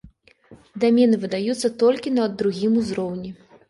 Дамены выдаюцца толькі на другім узроўні.